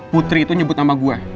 putri itu nyebut nama gue